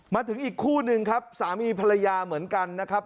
มาถึงอีกคู่หนึ่งครับสามีภรรยาเหมือนกันนะครับ